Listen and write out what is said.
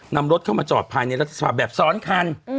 นำรถเข้ามาจอดภายในรัฐสภาพแบบซ้อนคัน